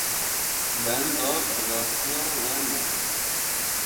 Benda biratiya we me.